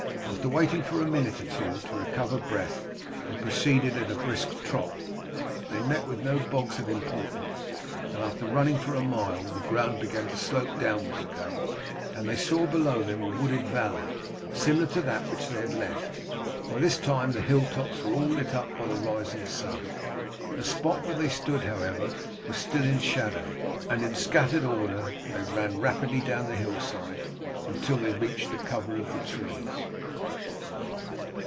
After waiting for a minute or two to recover breath, they proceeded at a brisk trot. They met with no bogs of importance, and after running for a mile the ground began to slope downwards again, and they saw below them a wooded valley, similar to that which they had left. By this time the hilltops were all lit up by the rising sun. The spot where they stood, however, was still in shadow, and in scattered order they ran rapidly down the hillside until they reached the cover of the trees.